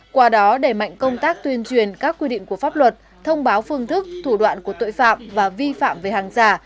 qua đó đẩy mạnh công tác tuyên truyền các quy định của pháp luật thông báo phương thức thủ đoạn của tội phạm và vi phạm về hàng giả